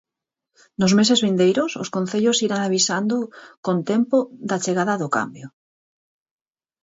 Nos meses vindeiros os concellos irán avisando con tempo da chegada do cambio.